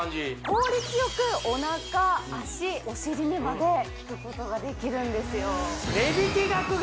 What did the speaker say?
効率よくおなか脚お尻にまで効くことができるんですよ